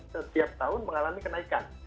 setiap tahun mengalami kenaikan